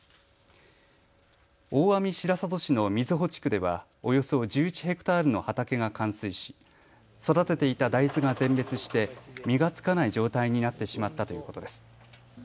大網白里市の瑞穂地区ではおよそ１１ヘクタールの畑が冠水し育てていた大豆が全滅して実がつかない状態になってしまったということです。